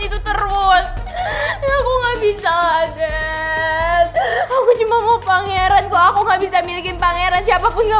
itu terus aku nggak bisa aku cuma mau pangeran aku nggak bisa milikin pangeran siapapun nggak